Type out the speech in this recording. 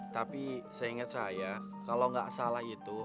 tapi seinget saya kalo gak salah itu